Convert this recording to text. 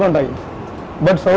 hanya menggunakan air kokona